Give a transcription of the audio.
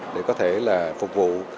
để có thể là phục vụ